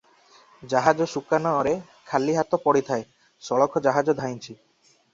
ଜାହାଜ ସୁକାନରେ ଖାଲି ହାତ ପଡ଼ିଥାଏ, ସଳଖ ଜାହାଜ ଧାଇଁଛି ।